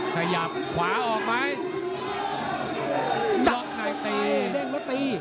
ขยับขวาออกไหมล็อคไนต์ตี